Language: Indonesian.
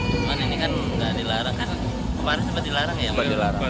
cuman ini kan gak dilarang kemarin sempat dilarang ya